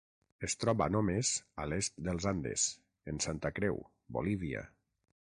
Es troba només a l'est dels Andes, en Santa Creu, Bolívia.